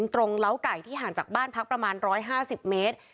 เล้าไก่ที่ห่างจากบ้านพักประมาณ๑๕๐เมตร